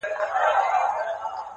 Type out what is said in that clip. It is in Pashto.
گوره اوښكي به در تـــوى كـــــــــړم _